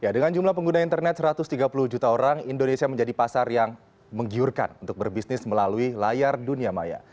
dengan jumlah pengguna internet satu ratus tiga puluh juta orang indonesia menjadi pasar yang menggiurkan untuk berbisnis melalui layar dunia maya